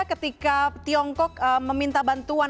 ketika tiongkok meminta bantuan